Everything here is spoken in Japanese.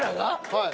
はい。